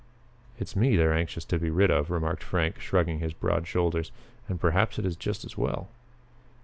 "It's me they're anxious to be rid of," remarked Frank, shrugging his broad shoulders, "and perhaps it is just as well."